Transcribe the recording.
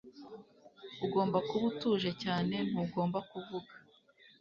Ugomba kuba utuje cyane ntugomba kuvuga